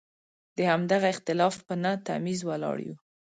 د همدغه اختلاف په نه تمیز ولاړ یو.